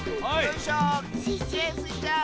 いけスイちゃん！